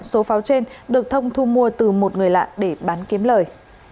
số pháo trên được thông thu mua từ một người lạ để bán kiếm lời